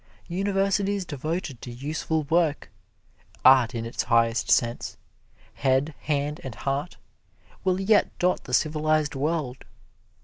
Universities devoted to useful work art in its highest sense: head, hand and heart will yet dot the civilized world.